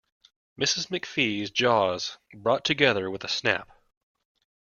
Mrs McFee's jaws brought together with a snap.